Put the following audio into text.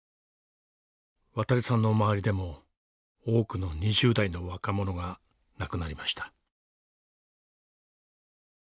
渉さんの周りでも多くの２０代の若者が亡くなりました。